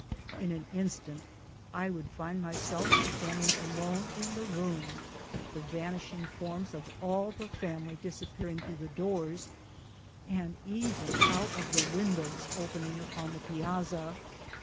In an instant I would find myself standing alone in the room, the vanishing forms of all the family disappearing through the doors, and even out of the windows open ing upon the piazza.